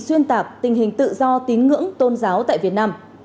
xuyên tạc tình hình tự do tín ngưỡng tôn giáo tại việt nam